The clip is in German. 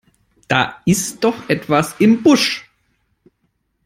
Da ist doch etwas im Busch!